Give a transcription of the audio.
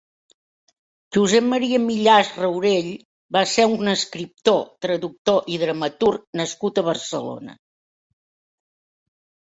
Josep Maria Millàs-Raurell va ser un escriptor, traductor i dramaturg nascut a Barcelona.